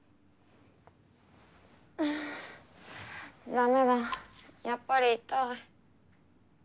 ダメだやっぱり痛い。